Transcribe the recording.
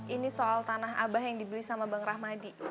ini soal tanah abah yang dibeli sama bang rahmadi